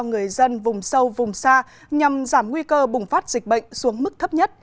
người dân vùng sâu vùng xa nhằm giảm nguy cơ bùng phát dịch bệnh xuống mức thấp nhất